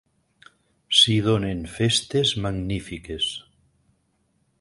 S'hi donen festes magnífiques.